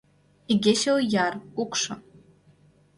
Игече ояр, кукшо.